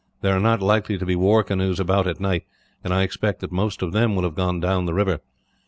"There are not likely to be war canoes about at night, and I expect that most of them will have gone down the river.